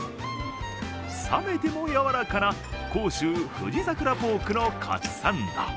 冷めても柔らかな甲州富士桜ポークのかつサンド。